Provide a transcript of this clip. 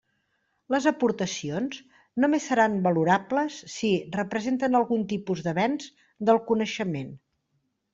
Les aportacions només seran valorables si representen algun tipus d'avenç del coneixement.